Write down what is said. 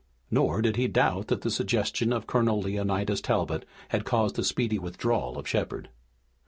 Nor did he doubt that the suggestion of Colonel Leonidas Talbot had caused the speedy withdrawal of Shepard.